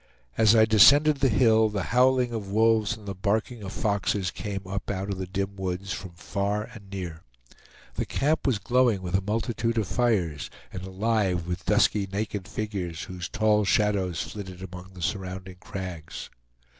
As I descended the hill, the howling of wolves and the barking of foxes came up out of the dim woods from far and near. The camp was glowing with a multitude of fires, and alive with dusky naked figures, whose tall shadows flitted among the surroundings crags.